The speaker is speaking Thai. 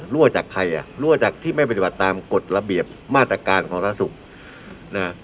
รวจจากใครอ่ะรวจจากที่ไม่บริบัตรตามกฎระเบียบมาตรการของสหรัฐสุทธิ์